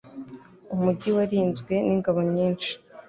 Umujyi warinzwe ningabo nyinshi.